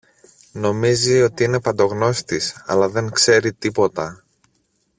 Νομίζει ότι είναι παντογνώστης, αλλά δεν ξέρει τίποτα!